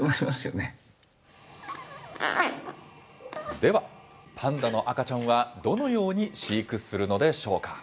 では、パンダの赤ちゃんはどのように飼育するのでしょうか。